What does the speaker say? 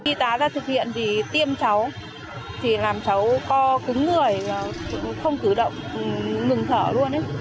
khi ta ra thực hiện thì tiêm cháu làm cháu co cứng người không cử động ngừng thở luôn